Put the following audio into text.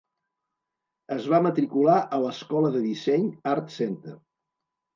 Es va matricular a l'escola de disseny ArtCenter.